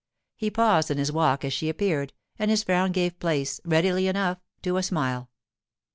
He paused in his walk as she appeared, and his frown gave place, readily enough, to a smile.